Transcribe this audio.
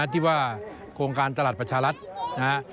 ที่ว่าโครงการตลาดประชารัฐนะฮะ